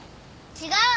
違う。